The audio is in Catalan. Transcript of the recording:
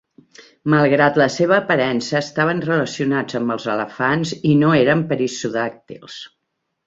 Malgrat la seva aparença, estaven relacionats amb els elefants i no eren perissodàctils.